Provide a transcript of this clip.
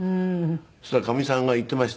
そしたらかみさんが言っていました。